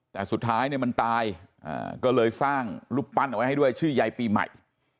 แต่สุดท้ายเนี่ยมันตายก็เลยสร้างรูปปั้นเอาไว้ให้ด้วยชื่อยายปีใหม่